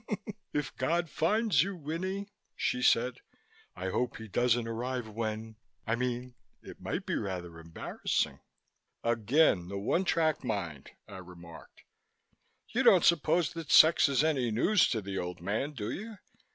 "If God finds you, Winnie," she said, "I hope He doesn't arrive when I mean, it might be rather embarrassing?" "Again the one track mind," I remarked. "You don't suppose that sex is any news to the Old Man, do you?